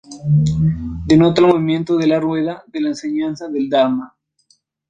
Denota el movimiento de la rueda de la enseñanza del dharma.